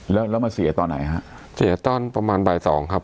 แล้วแล้วมาเสียตอนไหนฮะเสียตอนประมาณบ่ายสองครับ